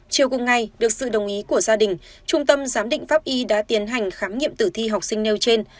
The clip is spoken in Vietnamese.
chiều cùng ngày được sự đồng ý của gia đình trung tâm giám định pháp y đã tiến hành khám nghiệm tử thi học sinh nêu trên